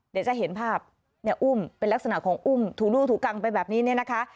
เดี๋ยวจะเห็นภาพเนี่ยอุ้มเป็นลักษณะของอุ้มถูลูกถูกังไปแบบนี้เนี่ยนะคะ